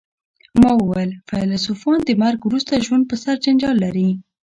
ما وویل فیلسوفان د مرګ وروسته ژوند په سر جنجال لري